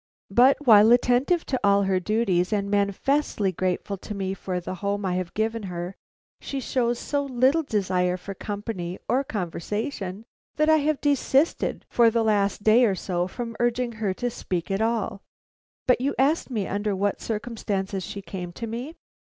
But while attentive to all her duties, and manifestly grateful to me for the home I have given her, she shows so little desire for company or conversation that I have desisted for the last day or so from urging her to speak at all. But you asked me under what circumstances she came to me?"